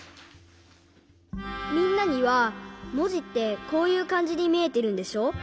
みんなにはもじってこういうかんじでみえてるんでしょ？